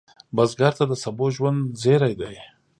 بزګر ته د سبو ژوند زېری دی